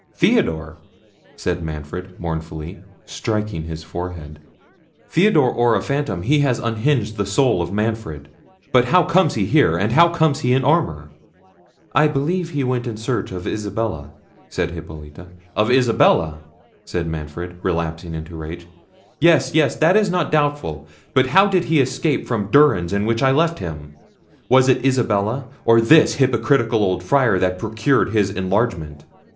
"Theodore!" said Manfred mournfully, and striking his forehead; "Theodore or a phantom, he has unhinged the soul of Manfred. But how comes he here? and how comes he in armour?" "I believe he went in search of Isabella," said Hippolita. "Of Isabella!" said Manfred, relapsing into rage; "yes, yes, that is not doubtful—. But how did he escape from durance in which I left him? Was it Isabella, or this hypocritical old Friar, that procured his enlargement?"